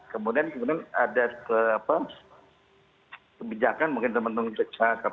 kemudian ada kebijakan mungkin teman teman rks